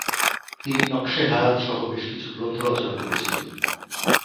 তিনি নকশে হায়াত সহ বেশ কিছু গ্রন্থ রচনা করেছিলেন।